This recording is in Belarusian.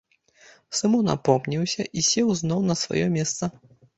Сымон апомніўся і сеў зноў на сваё месца.